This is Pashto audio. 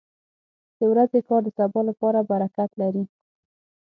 • د ورځې کار د سبا لپاره برکت لري.